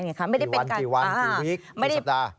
กี่วันกี่วีคกี่สัปดาห์